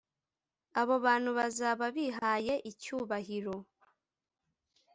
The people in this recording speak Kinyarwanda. abo bantu bazaba bihaye icyubahiro